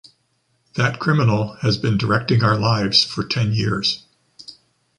That criminal has been directing our lives for ten years!